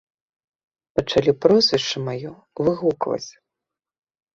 Пачалі прозвішча маё выгукваць.